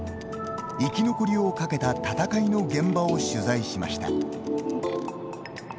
生き残りをかけた闘いの現場を取材しました。